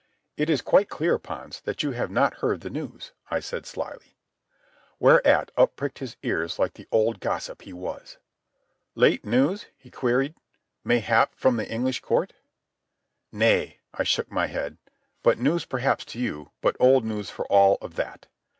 "It is quite clear, Pons, that you have not heard the news," I said slyly. Whereat up pricked his ears like the old gossip he was. "Late news?" he queried. "Mayhap from the English Court?" "Nay," I shook my head. "But news perhaps to you, but old news for all of that.